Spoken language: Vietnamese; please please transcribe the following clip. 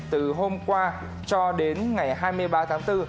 từ hôm qua cho đến ngày hai mươi ba tháng bốn